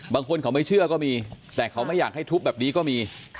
บางคนเขาไม่เชื่อก็มีแต่เขาไม่อยากให้ทุบแบบนี้ก็มี